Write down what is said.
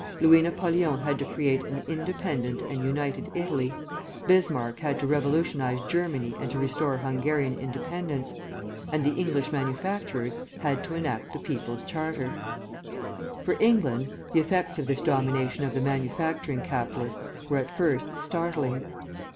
Louis Napoleon had to create an independent and united Italy, Bismarck had to revolutionise Germany and to restore Hungarian independence, and the English manufacturers had to enact the People's Charter. "For England, the effects of this domination of the manufacturing capitalists were at first startling.